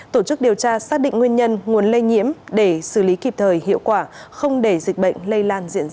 tổ chức điều tra xác định nguyên nhân nguồn lây nhiễm để xử lý kịp thời hiệu quả không để dịch bệnh lây lan diện rộng